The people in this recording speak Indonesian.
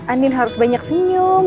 anin harus banyak senyum